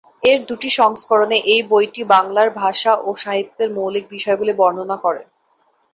এর দুটি সংস্করণে এই বইটি বাংলার ভাষা ও সাহিত্যের মৌলিক বিষয়গুলি বর্ণনা করে।